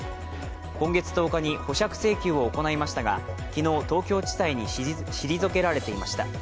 今月１０日に保釈請求を行いましたが昨日、東京地裁に退けられていました。